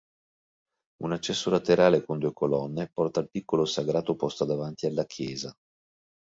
Un accesso laterale con due colonne porta al piccolo sagrato posto davanti alla chiesa.